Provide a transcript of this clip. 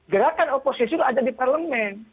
gerakan oposisi itu ada di parlemen